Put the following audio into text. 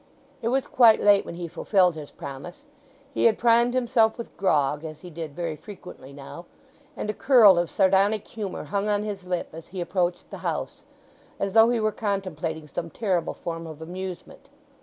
It was quite late when he fulfilled his promise. He had primed himself with grog, as he did very frequently now, and a curl of sardonic humour hung on his lip as he approached the house, as though he were contemplating some terrible form of amusement.